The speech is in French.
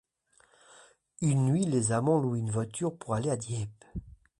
Une nuit, les amants louent une voiture pour aller à Dieppe.